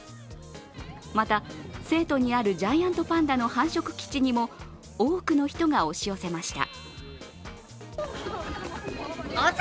また、成都にあるジャイアントパンダの繁殖基地にも多くの人が押し寄せました。